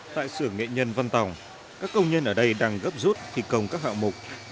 tại sưởng nghệ nhân văn tổng các công nhân ở đây đang gấp rút thi công các hạng mục